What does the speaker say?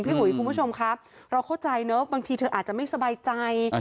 อุ๋ยคุณผู้ชมครับเราเข้าใจเนอะบางทีเธออาจจะไม่สบายใจ